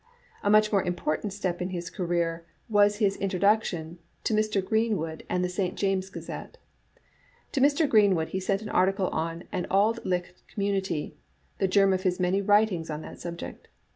A much more important step in his career was his in troduction to Mr. Greenwood and the St, James's Gazette. To Mr. Greenwood he sent an article on " An Auld Licht Community," the germ of his many writings on that subject.